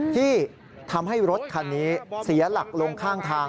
ที่ทำให้รถคันนี้เสียหลักลงข้างทาง